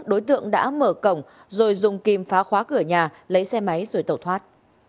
đối tượng đã mở cổng rồi dùng kim phá khóa cửa nhà lấy xe máy rồi tẩu thoát